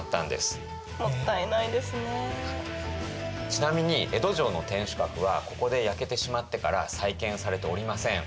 ちなみに江戸城の天守閣はここで焼けてしまってから再建されておりません。